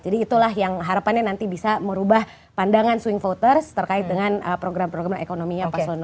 jadi itulah yang harapannya nanti bisa merubah pandangan swing voters terkait dengan program program ekonominya paselan dua